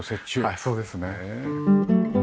はいそうですね。